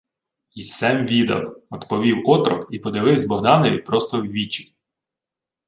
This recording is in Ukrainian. — Й се-м відав, — одповів отрок і подививсь Богданові просто в вічі.